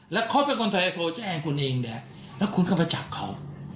แล้วเค้าเป็นคนทดาวน์โทรแจ้งคุณเองแล้วคุณก็มาจับเค้า